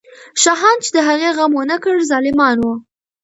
شاهان چې د هغې غم ونه کړ، ظالمان وو.